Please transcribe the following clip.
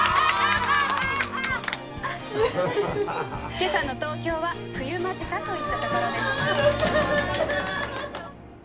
「今朝の東京は冬間近といったところです」。